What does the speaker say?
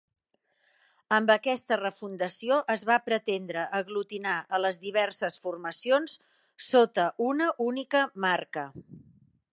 Amb aquesta refundació es va pretendre aglutinar a les diverses formacions sota una única marca.